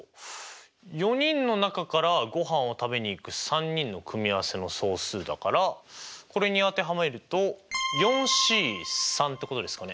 ４人の中からごはんを食べに行く３人の組合せの総数だからこれに当てはめるとＣってことですかね？